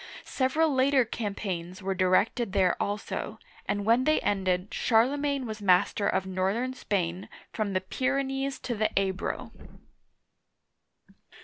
Several later campaigns were directed there also, and when they ended, Charlemagne was master of northern Spain, from the Pyrenees to the Ebro.